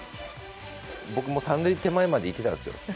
僕も３塁手前まで行ってたんですよ。